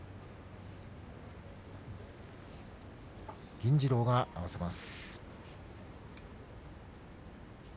銀治郎が合わせます。